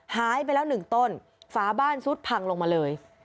หายไปแล้ว๑ต้นฟ้าบ้านซุดพังลงมาเลย